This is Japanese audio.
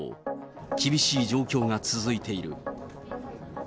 厳しい状況が続いている。